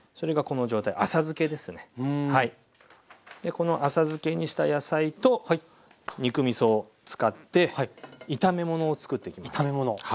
この浅漬けにした野菜と肉みそを使って炒め物をつくっていきます。